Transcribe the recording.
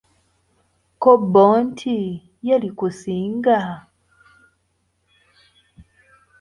Ko bbo nti, yee likusinga!